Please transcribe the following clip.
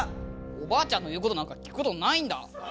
おばあちゃんの言うことなんか聞くことないんだ。